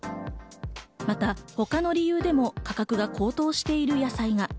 また他の理由でも価格が高騰している野菜が。